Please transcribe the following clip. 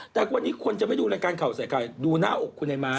แต่วันนี้คนจะไม่ดูรายการข่าวใส่ไข่ดูหน้าอกคุณไอ้ม้า